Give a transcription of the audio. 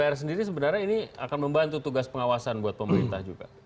jadi sebenarnya ini akan membantu tugas pengawasan buat pemerintah juga